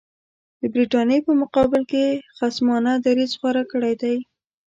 د برټانیې په مقابل کې یې خصمانه دریځ غوره کړی دی.